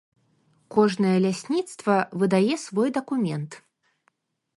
Кожнае лясніцтва выдае свой дакумент.